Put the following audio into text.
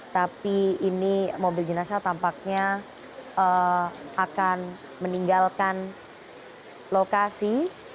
tapi ini mobil jenazah tampaknya akan meninggalkan lokasi